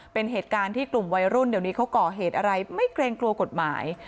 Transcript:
เป็นเหตุการณ์ที่กลุ่มวัยรุ่นเดี๋ยวนี้เขาก่อเหตุอะไรไม่เกรงกลัวกฎหมาย